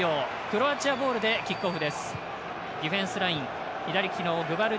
クロアチアボールでキックオフです。